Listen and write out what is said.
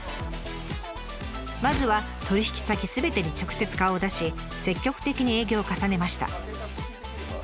まずは取引先すべてに直接顔を出し積極的に営業を重ねました。